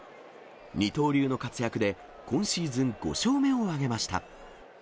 二刀流の活躍で、今シーズン５勝目を挙げました。